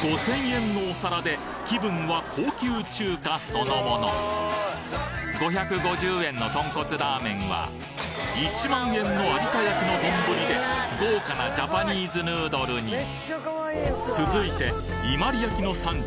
５，０００円のお皿で気分は高級中華そのもの５５０円の豚骨ラーメンは１０，０００円の有田焼の丼で豪華なジャパニーズヌードルに続いて伊万里焼の産地